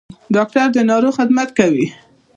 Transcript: ډاکټر د ناروغ خدمت کوي